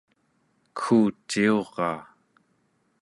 kegguciuraa